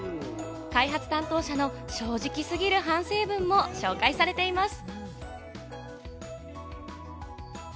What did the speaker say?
開発担当者の正直過ぎる反省文も紹介されています。